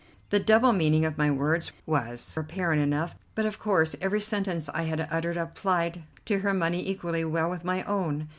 The double meaning of my words was apparent enough, but of course every sentence I had uttered applied to her money equally well with my own.